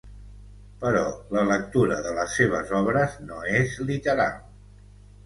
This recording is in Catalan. Però la lectura de les seves obres no és literal.